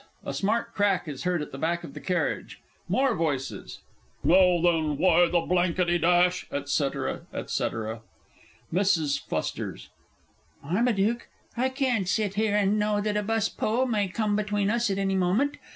[A smart crack is heard at the back of the carriage. MORE VOICES. Now, then, why the blanky dash, &c., &c. MRS. F. Marmaduke, I can't sit here, and know that a bus pole may come between us at any moment.